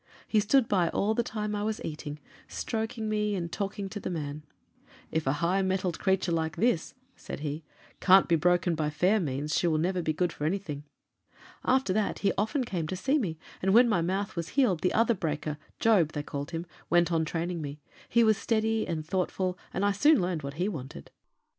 He stood by all the time I was eating, stroking me and talking to the man. 'If a high mettled creature like this,' said he, 'can't be broken by fair means, she will never be good for anything.' "After that he often came to see me, and when my mouth was healed the other breaker, Job, they called him, went on training me; he was steady and thoughtful, and I soon learned what he wanted."